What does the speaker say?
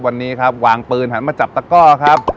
วันนี้ครับวางปืนหันมาจับตะก้อครับ